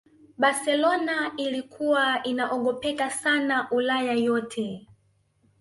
Barcelona ilikuwa inaogopeka sana ulaya yote